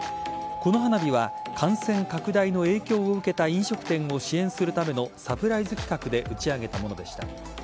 この花火は感染拡大の影響を受けた飲食店を支援するためのサプライズ企画で打ち上げたものでした。